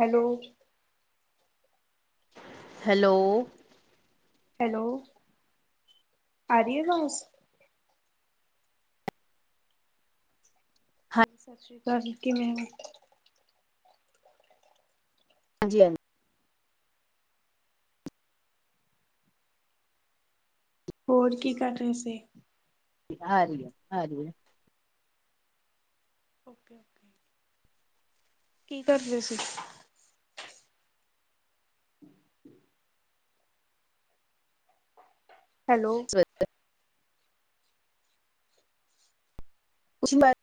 Hello. Hello. Hello ਆ ਰਹੀ ਆਵਾਜ਼। ਸਤਿ ਸ੍ਰੀ ਕਾਲ ਜੀ ਕਿਵੇਂ ੳ ਹਾਂਜੀ ਹਾਂਜ ਹੋਰ ਕੀ ਕਰ ਰਹੇ ਸੀ ਹ ਰ ਹਜੀ [unintelligible] ਓਕੇ ਓਕੇ ਕੀ ਕਰਦੇ ਸੀ ਹਮ [unintelligible] ਹੈਲੋ ਸਵੱਚ [unintelligible] ਉਸ ਬਾ [unintelligible]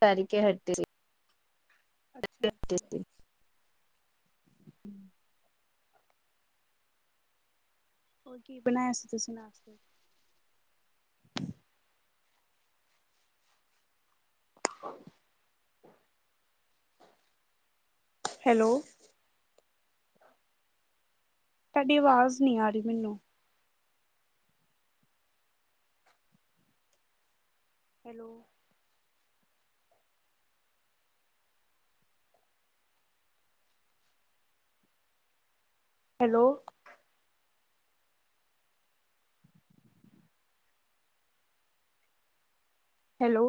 ਤਾਰੀਕੇ ਹਟਦੀ ਸੀ [unintelligible] ਅੱਛਾ ਅੱਛਾ ਹੋਰ ਕੀ ਬਨਾਇਆ ਸੀ ਤੁਸੀਂ ਨਾਸ਼ਤੇ ਚ ਹੈਲੋ ਤਹਾਡੀ ਅਵਾਜ਼ ਨਹੀਂ ਆ ਰਹੀ ਮੈਨੂੰ। Hello hello. ਹੈਲੋ।